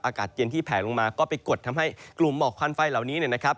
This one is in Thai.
อากาศเย็นที่แผลลงมาก็ไปกดทำให้กลุ่มหมอกควันไฟเหล่านี้เนี่ยนะครับ